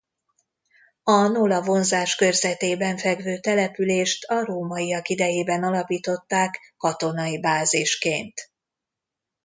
A Nola vonzáskörzetében fekvő települést a rómaiak idejében alapították katonai bázisként.